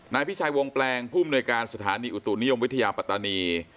นายพิชัยวงแปลงผู้มนวยการสถานีอุตุนิยมวิทยาปัตตานี